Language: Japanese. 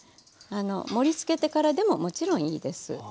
盛りつけてからでももちろんいいです。